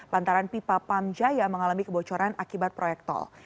lantaran pipa pamjaya mengalami kebocoran akibat proyek tol